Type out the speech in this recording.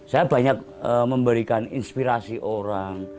saya banyak memberikan inspirasi orang